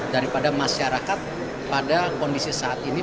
daripada masyarakat pada kondisi saat ini